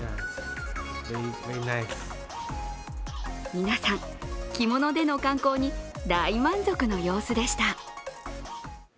皆さん、着物での観光に大満足の様子でした。